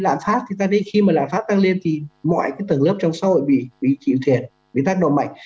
làm phát thì ta thấy khi mà làm phát tăng lên thì mọi cái tầng lớp trong xã hội bị chịu thiệt bị tác động mạnh